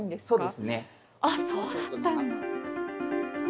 あっそうだったんだ。